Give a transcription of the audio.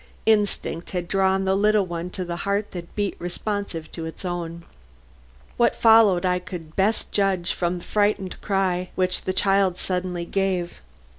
Instinct had drawn the little one to the heart that beat responsive to its own. What followed I could best judge from the frightened cry which the child suddenly gave.